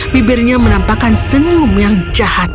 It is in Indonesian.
bibirnya menampakkan senyum yang jahat